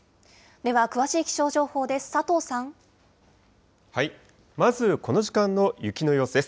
では、詳しい気象情報です。